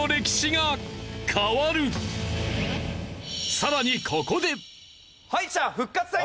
さらにここで。